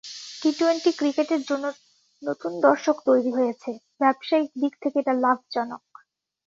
T twenty ক্রিকেটের জন্য নতুন দর্শক তৈরি হয়েছে, ব্যবসায়িক দিক থেকে এটা লাভজনক।